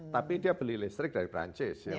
tapi dia beli listrik dari perancis ya